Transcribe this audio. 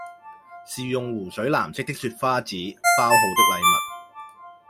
是用湖水藍色的雪花紙包好的禮物，